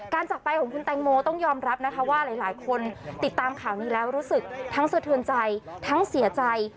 จากไปของคุณแตงโมต้องยอมรับนะคะว่าหลายคนติดตามข่าวนี้แล้วรู้สึกทั้งสะเทือนใจทั้งเสียใจ